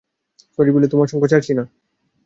Sorry, সালি, তোমার সঙ্গ ছাড়ছি না।